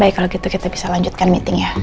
baik kalau gitu kita bisa lanjutkan meeting ya